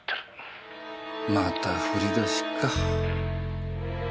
またふりだしか。